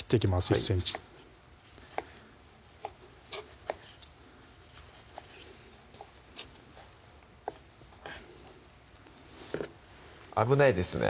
１ｃｍ危ないですね